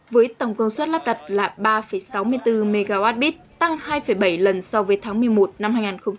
với tổng công suất lắp đặt là ba sáu mươi bốn mw tăng hai bảy lần so với tháng một mươi một năm hai nghìn một mươi bảy